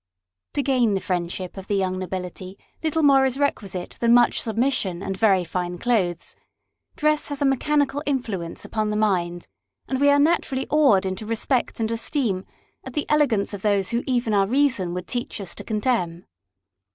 To gain the friendship of the young nobility little more is requisite than much submission and very fine clothes : dress has a mechanical influence upon the mind, and we naturally are awed into respect and esteem at the elegance of those whom even our reason would teach us to contemn.